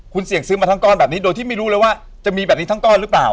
คุณเสี่ยงซื้อมาทั้งก้อนแบบนี้โดยที่ไม่รู้เลยว่าจะมีแบบนี้ทั้งก้อนหรือเปล่า